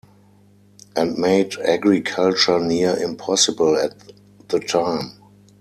And made agriculture near impossible at the time.